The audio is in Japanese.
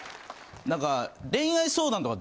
何か。